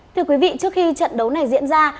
thưa quý vị trước khi trận đấu này diễn ra